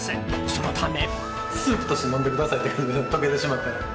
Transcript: そのため。